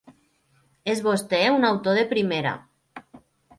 És vostè un autor de primera.